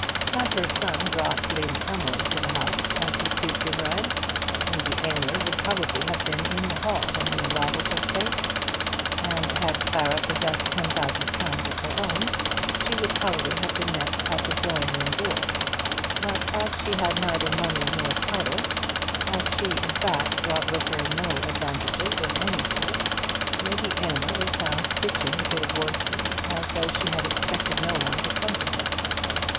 Had her son brought Lady Emily to the house as his future bride, Lady Aylmer would probably have been in the hall when the arrival took place; and had Clara possessed ten thousand pounds of her own, she would probably have been met at the drawing room door; but as she had neither money nor title, as she in fact brought with her no advantages of any sort, Lady Aylmer was found stitching a bit of worsted, as though she had expected no one to come to her.